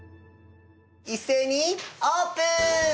一斉にオープン！